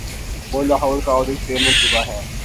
وہ لاہور کا orange train منصوبہ ہے۔